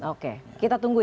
oke kita tunggu ya